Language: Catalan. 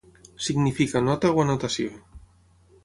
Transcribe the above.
Significa nota o anotació.